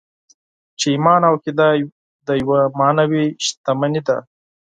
چې ايمان او عقیده يوه معنوي شتمني ده.